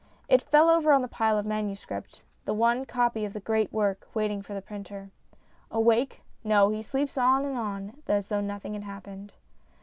It fell over on the pile of manuscript the one copy of the great work, waiting for the printer. Awake? No, he sleeps on and on as though nothing had happened.